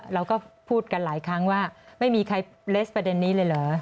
เราก็พูดกันหลายครั้งว่าไม่มีใครเลสประเด็นนี้เลยเหรอ